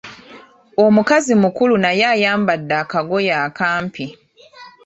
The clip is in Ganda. Omukazi mukulu naye ayambadde akagoye akampi.